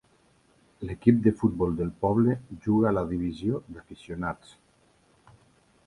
L'equip de futbol del poble juga a la divisió d'aficionats.